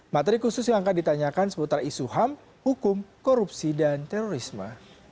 materi khusus yang akan ditanyakan seputar isu ham hukum korupsi dan terorisme